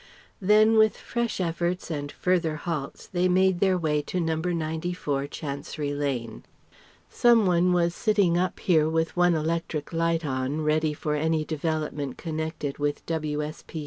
Then with fresh efforts and further halts they made their way to 94, Chancery Lane. Some one was sitting up here with one electric light on, ready for any development connected with W.